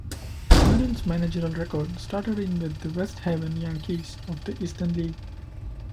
Merrill's managerial record started in with the West Haven Yankees of the Eastern League.